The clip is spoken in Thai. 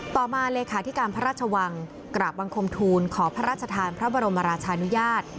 ต่อมาเลขาธิการพระราชวังกราบบังคมทูลขอพระราชทานพระบรมราชานุญาต